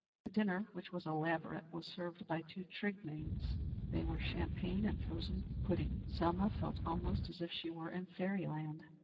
The dinner, which was elaborate, was served by two trig maids. There were champagne and frozen pudding. Selma felt almost as if she were in fairy land.